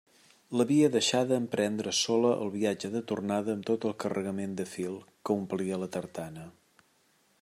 L'havia deixada emprendre sola el viatge de tornada amb tot el carregament de fil, que omplia la tartana.